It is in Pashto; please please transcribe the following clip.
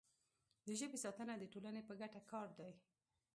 د ژبې ساتنه د ټولنې په ګټه کار دی.